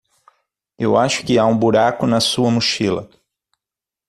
Eu acho que há um buraco na sua mochila.